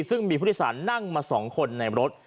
ซึ่งมีพุทธศาลนั่งมาสองคนในรถ